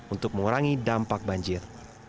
untuk mengurangi banjir